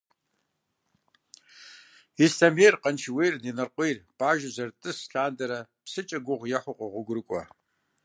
Ислъэмейр, Къаншыуейр, Инарыкъуейр къуажэу зэрытӏыс лъандэрэ псыкӏэ гугъу ехьу къогъуэгурыкӏуэ.